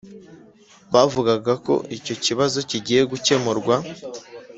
bavugaga ko icyo kibazo kigiye gukemurwa.